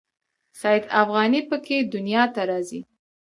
سید افغاني په کې دنیا ته راځي.